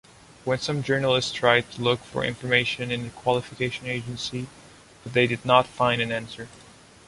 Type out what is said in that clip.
When some journalists tried to look for information in the Qualification Agency, but they did not find an answer.